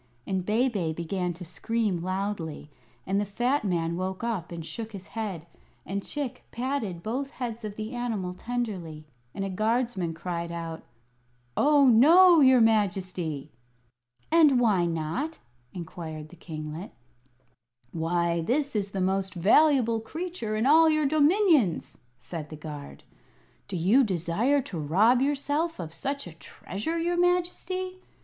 And Bebe began to scream loudly; and the fat man woke up and shook his head, and Chick patted both heads of the animal tenderly, and a guardsman cried out: "Oh, no, your Majesty!" "And why not?" inquired the kinglet. "Why, this is the most valuable creature in all your dominions!" said the guard. "Do you desire to rob yourself of such a treasure, your Majesty?"